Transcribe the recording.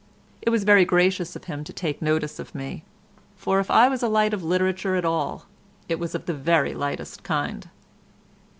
It was very gracious of him to take notice of me, for if I was a light of literature at all it was of the very lightest kind.